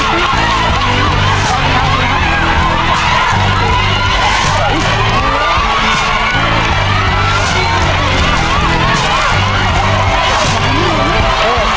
พี่มันก็วางแล้วลูกพี่มันก็วาง